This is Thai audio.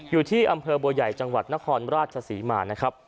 อยู่ที่อำเภอบัวใหญ่จังหวัดนครราชศรีมานะครับ